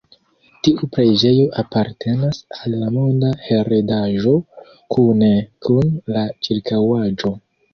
Tiu preĝejo apartenas al la Monda Heredaĵo kune kun la ĉirkaŭaĵo.